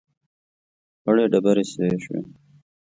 ، خړې ډبرې سرې شوې.